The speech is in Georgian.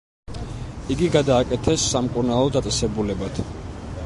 იგი გადააკეთეს სამკურნალო დაწესებულებად.